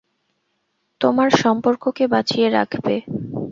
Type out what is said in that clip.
তোমার সম্পর্ককে বাঁচিয়ে রাখবে।